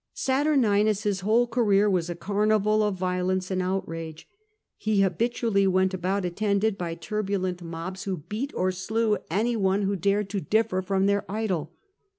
Saturninus's whole career was a carnival of violence and outrage. He habitually went about attended by turbulent mobs, who OUTEAGES COMMITTED BY SATURNINUS loi beat or slew any one who dared to differ from their idol.